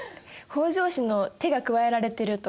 北条氏の手が加えられてると。